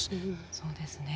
そうですね。